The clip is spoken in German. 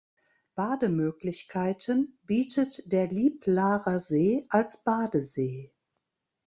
Bademöglichkeiten bietet der Liblarer See als Badesee.